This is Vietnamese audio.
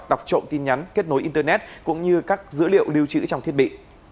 đọc trộm tin nhắn kết nối internet cũng như các dữ liệu lưu trữ trong thiết bị